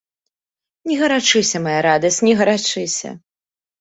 Не гарачыся, мая радасць, не гарачыся.